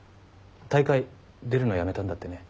大会出るのやめたんだってね。